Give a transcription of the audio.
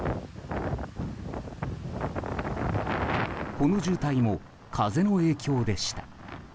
この渋滞も、風の影響でした。